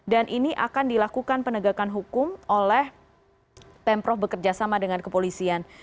dan ini akan dilakukan penegakan hukum oleh pemprov bekerjasama dengan kepolisian